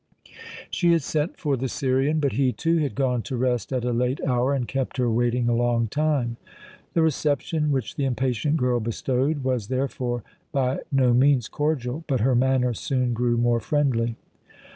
She had sent for the Syrian, but he, too, had gone to rest at a late hour and kept her waiting a long time. The reception which the impatient girl bestowed was therefore by no means cordial, but her manner soon grew more friendly.